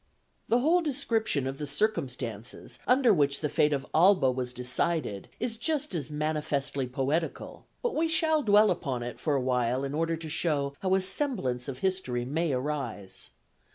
The whole description of the circumstances under which the fate of Alba was decided is just as manifestly poetical, but we shall dwell upon it for a while in order to show how a semblance of history may arise.